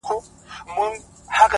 د ښوونې او روزنې د کیفیت